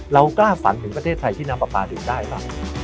เรากล้าฝันถึงประเทศไทยที่น้ำปลาปลาดื่มได้ป่ะ